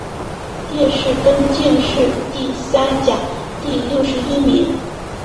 殿试登进士第三甲第六十一名。